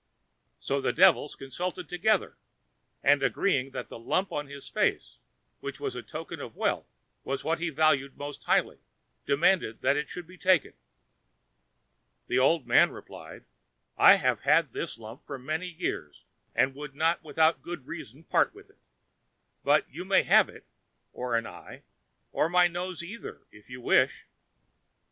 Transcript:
So the devils consulted together, and, agreeing that the lump on his face, which was a token of wealth, was what he valued most highly, demanded that it should be taken. The old man replied: "I have had this lump many years, and would not without good reason part with it; but you may have it, or an eye, or my nose either if you wish."